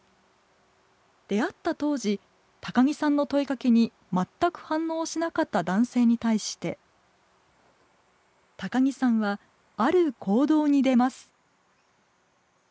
出会った当時高木さんの問いかけに全く反応をしなかった男性に対して高木さんはある行動に出ます。